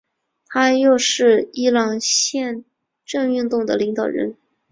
他又是伊朗宪政运动的领导人。